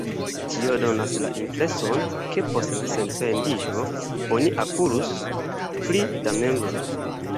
Tio donas la impreson, ke post la sendependiĝo oni akirus pli da membroj.